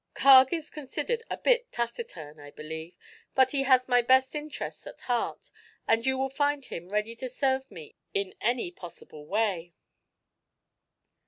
"Carg is considered a bit taciturn, I believe, but he has my best interests at heart and you will find him ready to serve me in any possible way."